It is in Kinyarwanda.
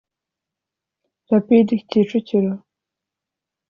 Rapide (Kicukiro)